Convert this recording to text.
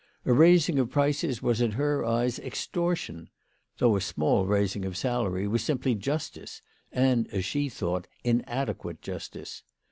A raising of prices was in her eyes extor tion ; though a small raising of salary was simply justice, and, as she thought, inadequate justice.